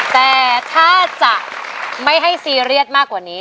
แต่ถ้าจะไม่ให้ซีเรียสมากกว่านี้